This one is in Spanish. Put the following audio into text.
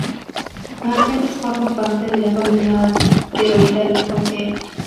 Artemis forma parte de la familia asteroidal de Focea.